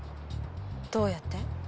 どうやって？